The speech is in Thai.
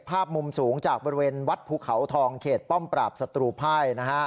ภาพมุมสูงจากบริเวณวัดภูเขาทองเขตป้อมปราบศัตรูไพ่นะฮะ